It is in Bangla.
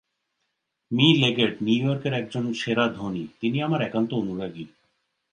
মি লেগেট নিউ ইয়র্কের একজন সেরা ধনী, তিনি আমার একান্ত অনুরাগী।